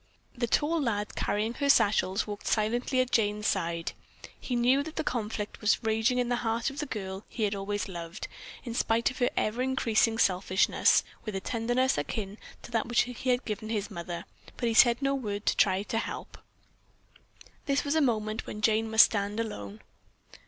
The tall lad carrying her satchels walked silently at Jane's side. He well knew the conflict that was raging in the heart of the girl he had always loved, in spite of her ever increasing selfishness, with a tenderness akin to that which he had given his mother, but he said no word to try to help. This was a moment when Jane must stand alone.